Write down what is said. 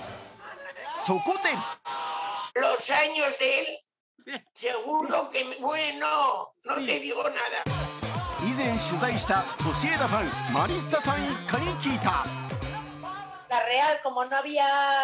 そこで以前取材したソシエダファンマリッサさん一家に聞いた。